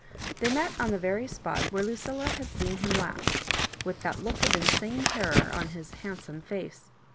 Th^ met on the very spot where Lucilla had seen him last, with that look of insane terror on his handsome faice.